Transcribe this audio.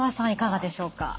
いかがでしょうか？